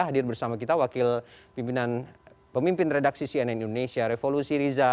hadir bersama kita wakil pemimpin redaksi cnn indonesia revolusi riza